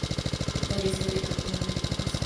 El tallo es erecto, con unas pocas hojas.